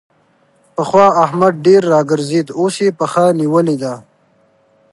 پخوا احمد ډېر راګرځېد؛ اوس يې پښه نيولې ده.